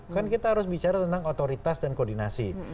kan kita harus bicara tentang otoritas dan koordinasi